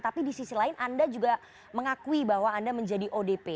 tapi di sisi lain anda juga mengakui bahwa anda menjadi odp